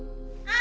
あ！